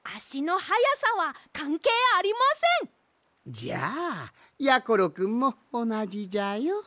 じゃあやころくんもおなじじゃよ。